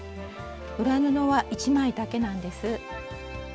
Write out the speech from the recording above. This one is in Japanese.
裏布は１枚だけなんです。